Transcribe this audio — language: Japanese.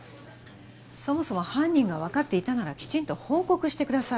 そもそも犯人が分かっていたならきちんと報告してください